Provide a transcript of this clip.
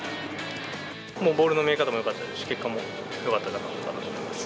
もうボールの見え方もよかったですし、結果もよかったかなと思います。